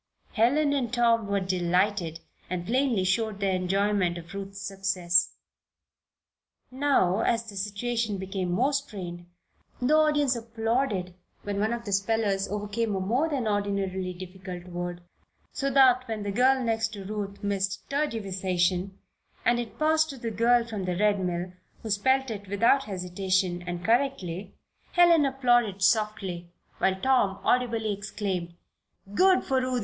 Helen and Tom were delighted and plainly showed their enjoyment of Ruth's success. Now, as the situation became more strained, the audience applauded when one of the spellers overcame a more than ordinarily difficult word. So that when the girl next to Ruth missed "tergiversation" and it passed to the girl from the Red Mill, who spelled it without hesitation, and correctly, Helen applauded softly, while Tom audibly exclaimed: "Good for Ruthie!"